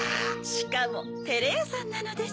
しかもてれやさんなのです。